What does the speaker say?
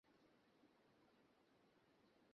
তোমার গৌরমোহনবাবুকে বিনয়বাবু পাও নি।